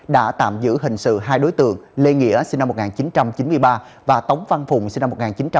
đã tạm giữ hình sự hai đối tượng lê nghĩa sinh năm một nghìn chín trăm chín mươi ba và tống văn phùng sinh năm một nghìn chín trăm chín mươi